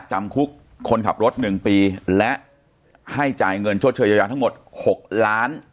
จำคุกคนขับรถหนึ่งปีและให้จ่ายเงินโชธเฉยอยาทั้งหมดหกล้าน